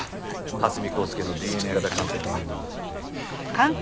蓮見光輔のＤＮＡ型鑑定は。